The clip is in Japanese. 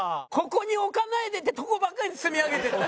ここに置かないでってとこばっかり積み上げていった。